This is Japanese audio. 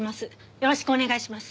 よろしくお願いします。